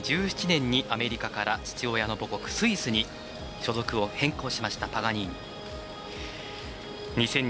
２０１７年にアメリカから父親の母国スイスに所属を変更したパガニーニ。